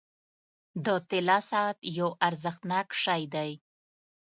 • د طلا ساعت یو ارزښتناک شی دی.